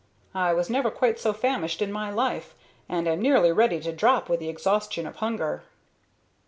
I was never quite so famished in my life, and am nearly ready to drop with the exhaustion of hunger."